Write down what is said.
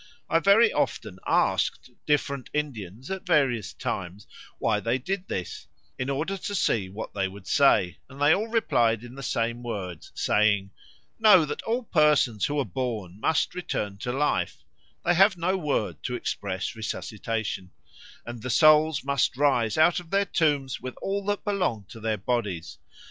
I very often asked different Indians, at various times, why they did this, in order to see what they would say, and they all replied in the same words saying, 'Know that all persons who are born must return to life' (they have no word to express resurrection), 'and the souls must rise out of their tombs with all that belonged to their bodies.